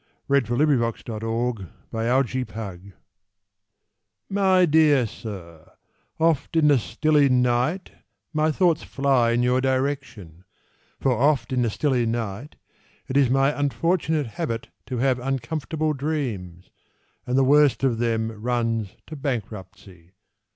TO AN HOTEL KEEPER My dear Sir, Oft in the stilly night My thoughts fly In your direction, For oft in the stilly night It is my unfortunate habit To have uncomfortable dreams, And the worst of them Runs to bankruptcy.